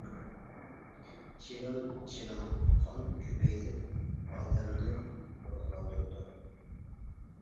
چىلان : چىلان قان كۆپەيتىپ ئادەمنى روھلاندۇرىدۇ.